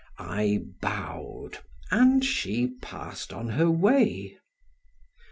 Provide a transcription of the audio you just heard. I bowed, and she passed on her way.